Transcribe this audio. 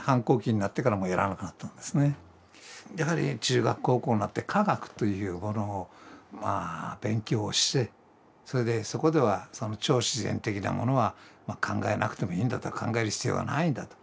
やはり中学・高校になって科学というものを勉強をしてそれでそこではその超自然的なものは考えなくてもいいんだと考える必要はないんだと。